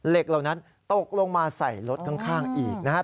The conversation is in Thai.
เหล่านั้นตกลงมาใส่รถข้างอีกนะครับ